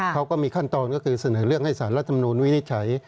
เขาก็มีขั้นตอนก็คือเสนอเรื่องให้สารรัฐมนูลวินิจฉัย